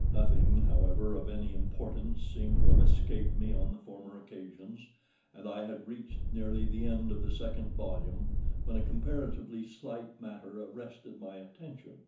Nothing, however, of any importance seemed to have escaped me on the former occasions, and I had reached nearly the end of the second volume when a comparatively slight matter arrested my attention.